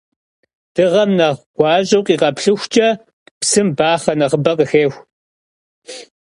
Dığem nexh guaş'eu khiğeplhıxuç'e, psım baxhe nexhıbe khıxêxu.